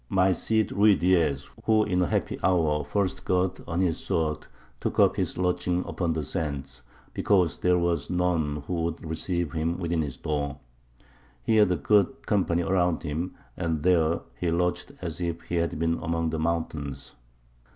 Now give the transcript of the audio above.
My Cid Ruydiez, he who in a happy hour first girt on his sword, took up his lodging upon the sands, because there was none who would receive him within his door. He had a good company round about him, and there he lodged as if he had been among the mountains....